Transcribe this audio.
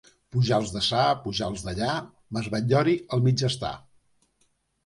Pujals de ça, Pujals de lla, Mas Batllori al mig està.